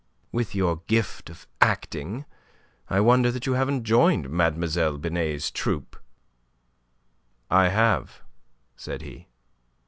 With your gift of acting I wonder that you haven't joined Mlle. Binet's troupe." "I have," said he.